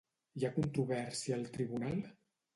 Hi ha controvèrsia al Tribunal?